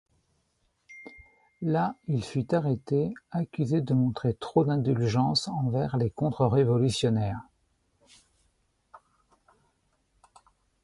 Là il fut arrêté, accusé de montrer trop d'indulgence envers les contre-révolutionnaires.